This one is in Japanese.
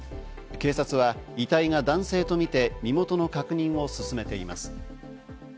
警察は遺体が男性とみて身元の確認を進めています。